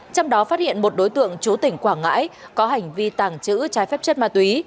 trong đó phát hiện một đối tượng chú tỉnh quảng ngãi có hành vi tàng trữ trái phép chất ma túy